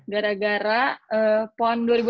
gara gara pon dua ribu enam belas tuh